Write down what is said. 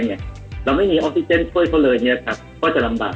เราไม่มีออกซิเจนช่วยเขาเลยก็จะลำบาก